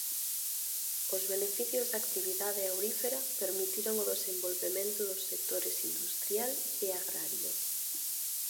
Os beneficios da actividade aurífera permitiron o desenvolvemento dos sectores industrial e agrario.